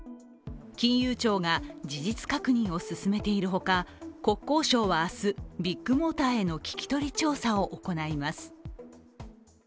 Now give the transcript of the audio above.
金融庁が事実確認を進めているほか国交省は明日、ビッグモーターへの聞き取り調査を行います。